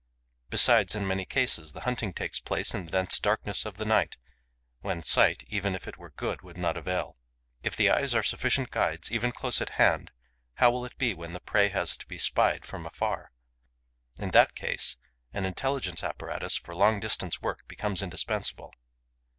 Besides, in many cases, the hunting takes place in the dense darkness of the night, when sight, even if it were good, would not avail. If the eyes are insufficient guides, even close at hand, how will it be when the prey has to be spied from afar! In that case, an intelligence apparatus for long distance work becomes indispensable.